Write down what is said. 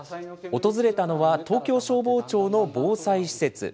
訪れたのは東京消防庁の防災施設。